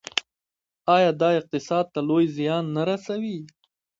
آیا دا اقتصاد ته لوی زیان نه رسوي؟